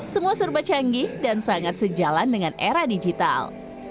semua serba canggih dan sangat sejalan dengan era digital